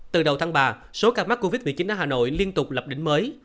từ đầu tháng ba số ca mắc covid một mươi chín ở hà nội liên tục lập đỉnh mới